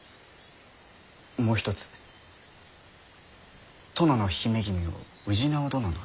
もう一つ殿の姫君を氏直殿の妻にと。